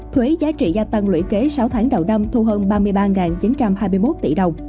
thuế giá trị gia tăng lũy kế sáu tháng đầu năm thu hơn ba mươi ba chín trăm hai mươi một tỷ đồng